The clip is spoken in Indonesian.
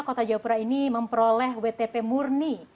kota jayapura ini memperoleh wtp murni